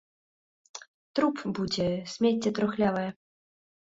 Труп будзе, смецце трухлявае.